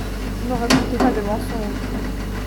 Ne racontez pas de mensonges.